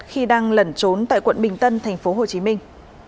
khi đang lẩn trốn tại quận bình tân thành phố hồ chí minh